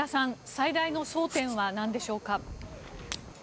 最大の争点はなんでしょうか。